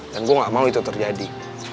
gue gak mau itu terjadi